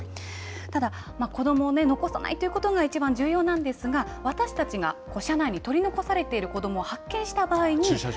ただ、子どもを残さないということが一番重要なんですが、私たちが車内に取り残されている子どもを発見した場合に。